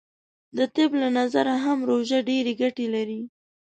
د طب له نظره هم روژه ډیرې ګټې لری .